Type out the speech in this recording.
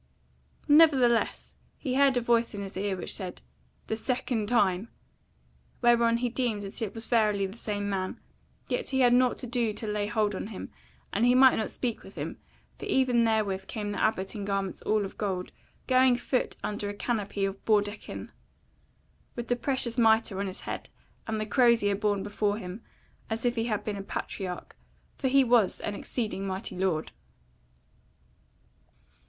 Nevertheless, he heard a voice in his ear, which said, "The second time!" whereon he deemed that it was verily that same man: yet had he nought to do to lay hold on him, and he might not speak with him, for even therewith came the Abbot in garments all of gold, going a foot under a canopy of baudekyn, with the precious mitre on his head, and the crozier borne before him, as if he had been a patriarch: for he was an exceeding mighty lord.